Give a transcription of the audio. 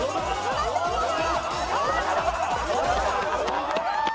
すごい！